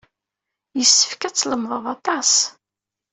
Yessefk ad tlemdeḍ aṭas.